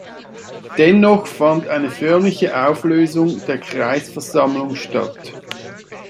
Dennoch fand eine förmliche Auflösung der Kreisversammlung statt.